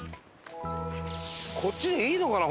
こっちでいいのかな？